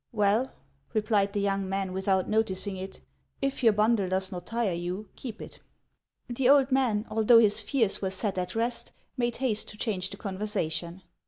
" Well." replied the young man, without noticing it, " if your bundle does not tire you, keep it," The old man, although his fears were set at rest, made haste to change the conversation.